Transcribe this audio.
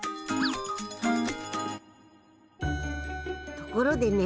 ところでね